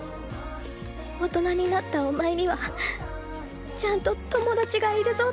大人になったお前にはちゃんと友達がいるぞ」